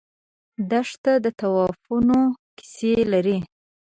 دښته د توفانونو کیسې لري.